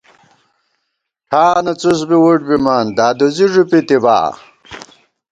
ٹھانہ څُس بی وُٹ بِمان دادُوزی ݫُپِتِبا